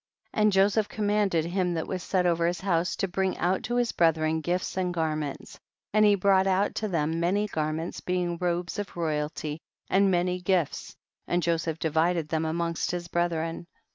76. And Joseph commanded him that was set over his house to bring out to his brethren gifts and garments, and he brought out to I hem many garments being robes of royalty and many gifts, and Joseph divided them amongst his brethren.